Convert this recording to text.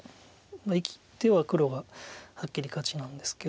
生きては黒がはっきり勝ちなんですけど。